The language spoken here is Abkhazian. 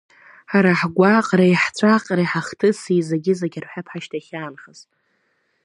Ҳара ҳгәаҟреи ҳҵәаҟреи, ҳахҭыси, зегьы-зегьы рҳәап ҳашьҭахь инхаз.